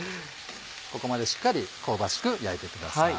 ここまでしっかり香ばしく焼いてください。